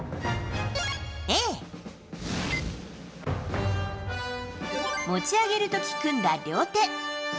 Ａ、持ち上げる時組んだ両手。